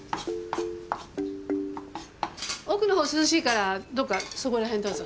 奥のほう涼しいからどっかそこら辺どうぞ。